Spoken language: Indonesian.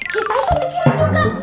kita itu pikirin juga